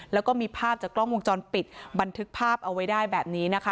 แล้วก็มีภาพจากกล้องวงจรปิดบันทึกภาพเอาไว้ได้แบบนี้นะคะ